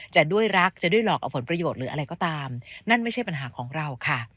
จะด้วยรักจะด้วยหลอกเอาผลประโยชน์หรืออะไรก็ตามนั่นไม่ใช่ปัญหาของเราค่ะ